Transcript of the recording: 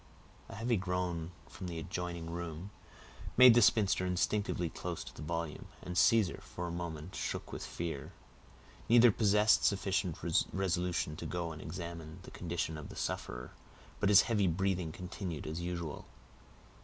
_" A heavy groan from the adjoining room made the spinster instinctively close the volume, and Caesar, for a moment, shook with fear. Neither possessed sufficient resolution to go and examine the condition of the sufferer, but his heavy breathing continued as usual.